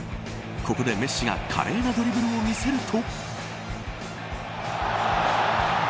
ここでメッシが華麗なドリブルを見せると。